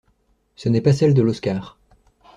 Ce n'est pas celle de l'Oscar.